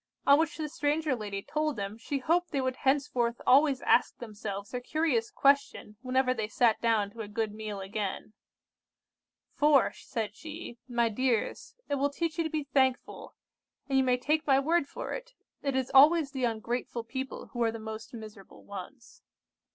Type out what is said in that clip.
On which the stranger lady told them she hoped they would henceforth always ask themselves her curious question whenever they sat down to a good meal again. 'For,' said she, 'my dears, it will teach you to be thankful; and you may take my word for it, it is always the ungrateful people who are the most miserable ones.